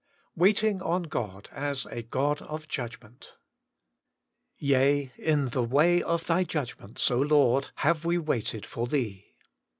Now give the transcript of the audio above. WAITLtTG ON GOD: as a (5oD of JuDgment * Yea, in tlie way of Thy judgments, Lord, have we waited for Thee